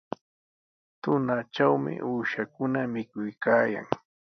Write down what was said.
Tunatrawmi uushakuna mikuykaayan.